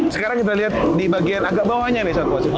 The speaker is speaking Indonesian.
sekarang kita lihat di bagian agak bawahnya nih satwa